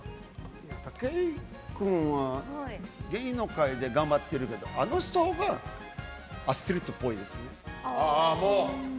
武井君は芸能界で頑張ってるけどあの人がアスリートっぽいですね。